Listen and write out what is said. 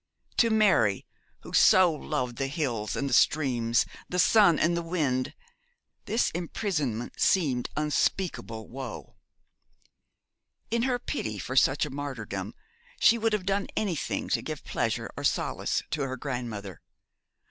To Mary, who so loved the hills and the streams, the sun and the wind, this imprisonment seemed unspeakable woe. In her pity for such a martyrdom she would have done anything to give pleasure or solace to her grandmother.